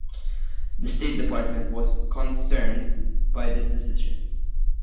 The State Department was "concerned" by this decision.